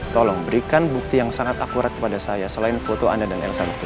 tolong berikan bukti yang sangat akurat kepada saya selain foto anda dan elsa itu